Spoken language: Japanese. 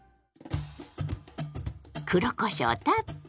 黒こしょうたっぷり！